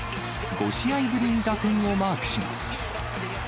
５試合ぶりに打点をマークします。